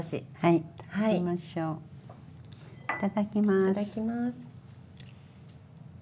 いただきます。